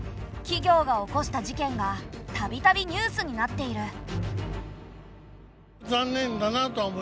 企業が起こした事件がたびたびニュースになっている。